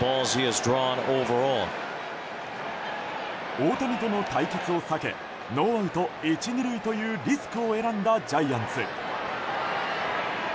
大谷との対戦を避けノーアウト１、２塁というリスクを選んだジャイアンツ。